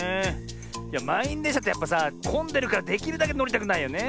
いやまんいんでんしゃってやっぱさこんでるからできるだけのりたくないよね。